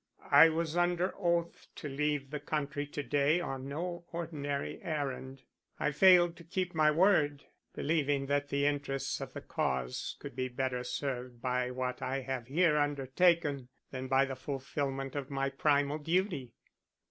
"I was under oath to leave the country to day on no ordinary errand. I failed to keep my word, believing that the interests of the Cause could be better served by what I have here undertaken than by the fulfilment of my primal duty.